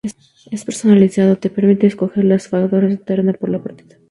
En personalizado te permite escoger los factores de terreno para la partida.